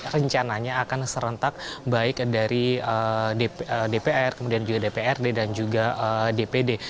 rencananya akan serentak baik dari dpr kemudian juga dprd dan juga dpd